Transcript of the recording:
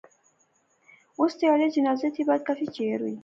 اس تہاڑے جنازے تھی بعد کافی چیر ہوئی گیا